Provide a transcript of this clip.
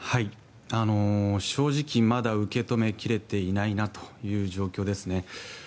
正直、まだ受け止め切れていないなという状況ですね。